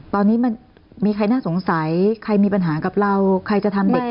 ตอนนี้มันมีใครน่าสงสัยใครมีปัญหากับเราใครจะทำเด็ก